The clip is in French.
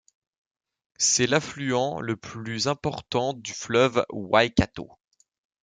C‘est l’affluent le plus important du fleuve Waikato.